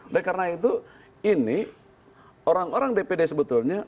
oleh karena itu ini orang orang dpd sebetulnya